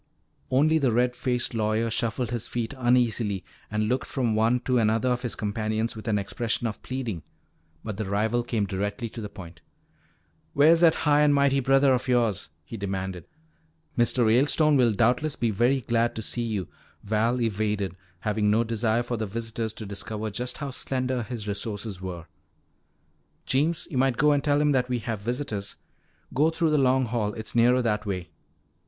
Only the red faced lawyer shuffled his feet uneasily and looked from one to another of his companions with an expression of pleading. But the rival came directly to the point. "Where's that high and mighty brother of yours?" he demanded. "Mr. Ralestone will doubtless be very glad to see you," Val evaded, having no desire for the visitors to discover just how slender his resources were. "Jeems, you might go and tell him that we have visitors. Go through the Long Hall, it's nearer that way."